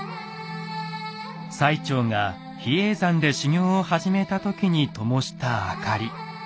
最澄が比叡山で修行を始めた時にともした灯り。